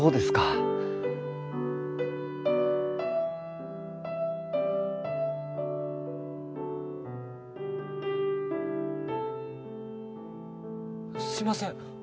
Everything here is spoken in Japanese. すいません